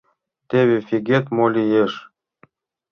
Теве фигет мо лиеш.